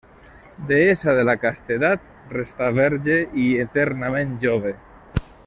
Deessa de la castedat, restà verge i eternament jove.